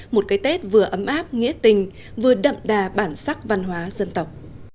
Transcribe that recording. một cái tết vừa ấm áp nghĩa tình vừa đậm đà bản sắc văn hóa dân tộc